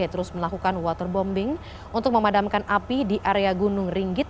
terus melakukan waterbombing untuk memadamkan api di area gunung ringgit